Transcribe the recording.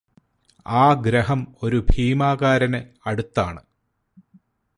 ആ ഗ്രഹം ഒരു ഭീമകാരന് അടുത്താണ്